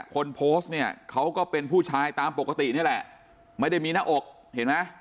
คนโพสต์เนี่ยเขาก็เป็นผู้ชายตามปกตินี่แหละไม่ได้มีหน้าอกเห็นไหม